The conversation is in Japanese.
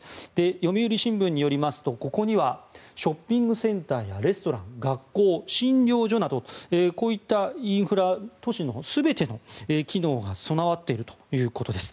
読売新聞によりますとここにはショッピングセンターやレストラン、学校、診療所などこういったインフラ都市の全ての機能が備わっているということです。